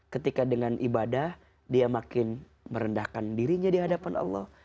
ketika dengan ibadah dia makin merendahkan dirinya di hadapan allah